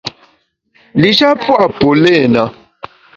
Li-sha pua’ polena.